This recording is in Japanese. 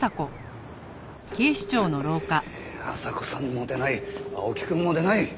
阿佐子さんも出ない青木くんも出ない。